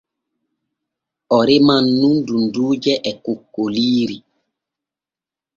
O reman nun dunduuje e kokkoliiri.